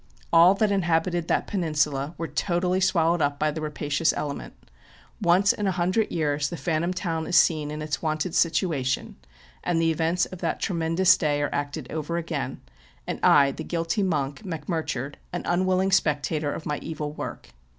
All that inhabited that peninsula were totally swallowed up by the rapa cious element. Once in a hundred years the Phantom Town is seen in its wonted situation, and the events of that tremendous day are acted over again ; and I, the guilty monk, Mac Murchard, an unwilling spectator of my evil work."